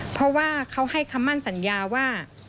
เพราะว่าเขาให้คำมั่นสัญญาว่า